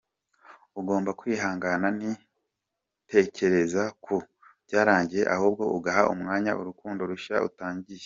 Ugomba kwihangana ntitekereze ku byarangiye ahubwo ugaha umwanya urukundo rushya utangiye.